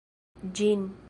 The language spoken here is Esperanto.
ĝin